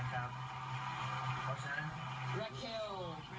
ข้อมูลเข้ามาดูครับ